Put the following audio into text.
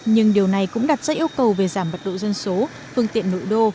nhưng điều này cũng đặt ra yêu cầu về giảm bật độ dân số phương tiện nội đô